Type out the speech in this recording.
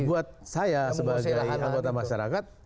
buat saya sebagai anggota masyarakat